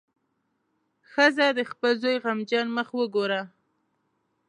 ښځه د خپل زوی غمجن مخ وګوره.